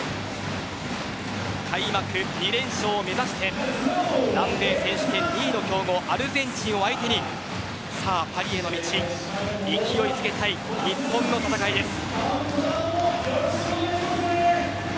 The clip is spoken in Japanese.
開幕２連勝を目指して南米選手権２位の強豪アルゼンチンを相手にパリへの道勢いづけたい日本の戦いです。